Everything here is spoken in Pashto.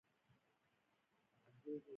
کورني سیاسي ګواښونه ډېر مهم وو.